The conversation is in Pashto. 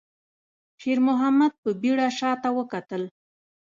شېرمحمد په بيړه شاته وکتل.